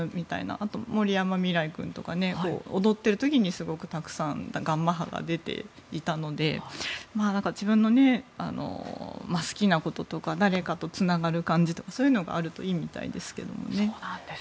あと森山未來君とか踊っている時に、すごくたくさんガンマ波が出ていたので自分の好きなこととか誰かとつながる感じとかそういうのがあるといいみたいですけどね。